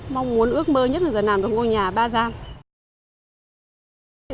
mong muốn ước mơ nhất là giờ làm được ngôi nhà ba gian